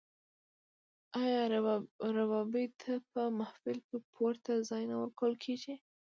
آیا ربابي ته په محفل کې پورته ځای نه ورکول کیږي؟